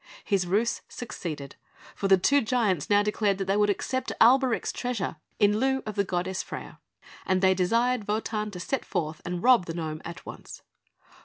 His ruse succeeded; for the two giants now declared that they would accept Alberic's treasure in lieu of the Goddess Freia; and they desired Wotan to set forth, and rob the gnome at once.